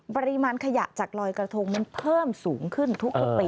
ปริมาณขยะจากลอยกระทงมันเพิ่มสูงขึ้นทุกปี